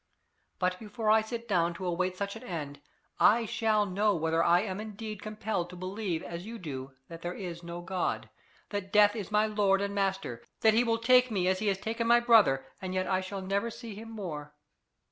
But before I sit down to await such an end, I shall know whether I am indeed compelled to believe as you do that there is no God, that Death is my lord and master, that he will take me as he has taken my brother and yet I shall never see him more.